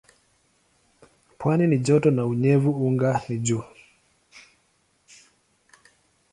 Pwani ni joto na unyevu anga ni juu.